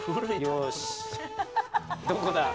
「よしどこだ？